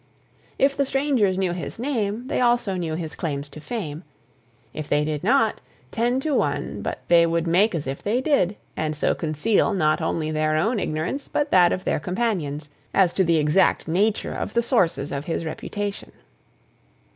If the strangers knew his name, they also knew his claims to fame; if they did not, ten to one but they would make as if they did, and so conceal not only their own ignorance, but that of their companions, as to the exact nature of the sources of his reputation.